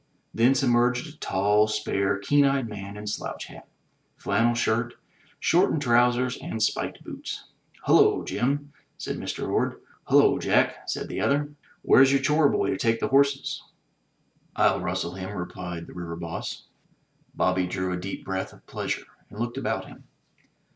Thence emerged a tall, spare, keen eyed man in slouch hat, flannel shirt, shortened trousers and spiked boots. " Hullo, Jim, " said Mr. Orde. "Hullo, Jack," said the other. •'Where's your chore boy to take the horses?" 129 MY BOOK H O U S E "rU rustle him/' replied the River Boss. Bobby drew a deep breath of pleasure, and looked about him.